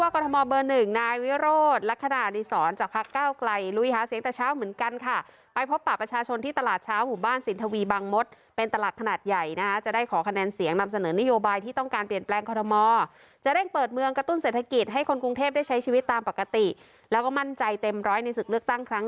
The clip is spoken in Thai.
ก่อนนับถอยหลังกันแล้วนะคะยังไงก็เลือกแล้วหรือยัง